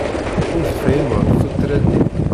Ur tefhimeḍ tuttra-nni.